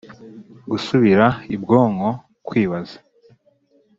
gusubira ibwonko: kwibaza